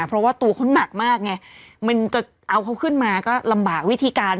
เพราะว่าตัวเขาหนักมากไงมันจะเอาเขาขึ้นมาก็ลำบากวิธีการ